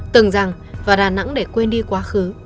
từng rằng vào đà nẵng để quên đi quá khứ